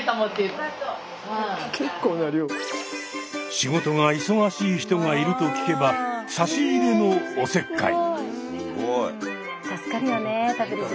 仕事が忙しい人がいると聞けば差し入れのおせっかい。